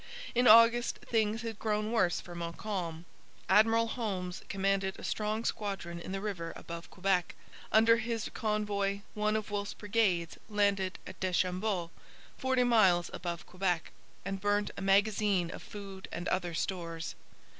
In August things had grown worse for Montcalm. Admiral Holmes commanded a strong squadron in the river above Quebec. Under his convoy one of Wolfe's brigades landed at Deschambault, forty miles above Quebec, and burnt a magazine of food and other stores.